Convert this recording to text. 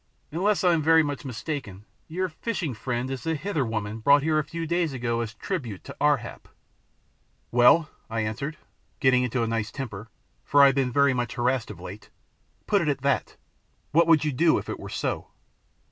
"Unless I am very much mistaken your fishing friend is the Hither woman brought here a few days ago as tribute to Ar hap." "Well," I answered, getting into a nice temper, for I had been very much harrassed of late, "put it at that. What would you do if it were so?"